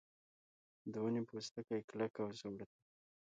د ونې پوستکی کلک او زوړ دی.